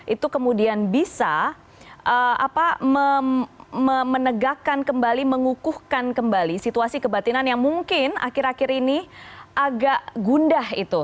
itu kemudian bisa menegakkan kembali mengukuhkan kembali situasi kebatinan yang mungkin akhir akhir ini agak gundah itu